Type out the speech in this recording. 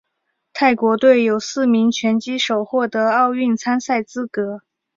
泰国队有四名拳击手获得奥运参赛资格。